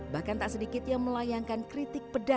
bahkan tak sedikit yang melayangkan kritik pedagang